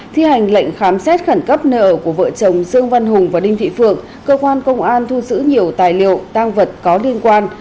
thi hành lệnh khám xét khẩn cấp nơi ở của vợ chồng dương văn hùng và đinh thị phượng cơ quan công an thu giữ nhiều tài liệu tăng vật có liên quan